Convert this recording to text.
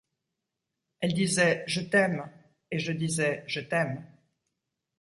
Elle disait : je t'aime ! -et je disais je t'aime !